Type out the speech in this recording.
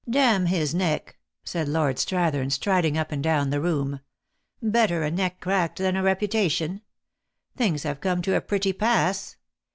" Damn his neck !" said Lord Strathern, striding up and down the room. " Better a neck cracked than a reputation. Tilings have come to a pretty pass.